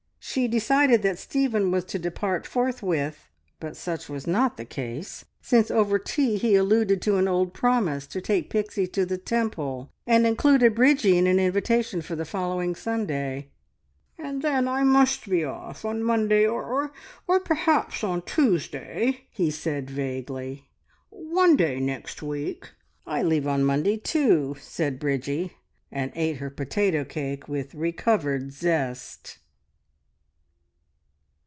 She decided that Stephen was to depart forthwith, but such was not the case, since over tea he alluded to an old promise to take Pixie to the Temple, and included Bridgie in an invitation for the following Sunday. "And then I must be off on Monday or or perhaps on Tuesday," he said vaguely. "One day next week." "I leave on Monday too," said Bridgie, and ate her potato cake with recovered zest.